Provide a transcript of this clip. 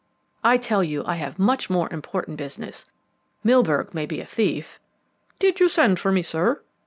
"I tell you I have much more important business. Milburgh may be a thief " "Did you send for me, sir?"